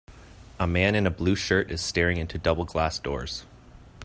A man in a blue shirt is staring into double glass doors.